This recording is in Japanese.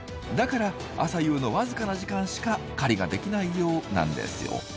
だから朝夕の僅かな時間しか狩りができないようなんですよ。